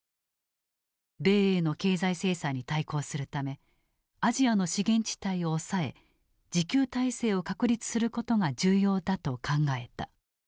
米英の経済制裁に対抗するためアジアの資源地帯を押さえ自給体制を確立することが重要だと考えた。